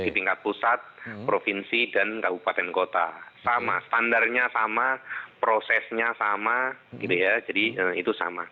di tingkat pusat provinsi dan kabupaten kota sama standarnya sama prosesnya sama gitu ya jadi itu sama